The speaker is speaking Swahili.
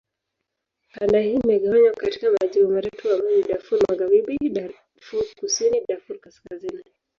Kanda hii imegawanywa katika majimbo matatu ambayo ni: Darfur Magharibi, Darfur Kusini, Darfur Kaskazini.